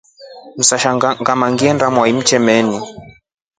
Msasha ngama honde mwai mtemeni.